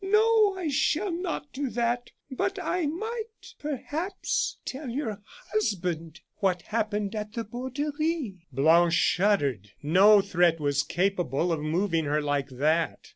No, I shall not do that; but I might, perhaps, tell your husband what happened at the Borderie." Blanche shuddered. No threat was capable of moving her like that.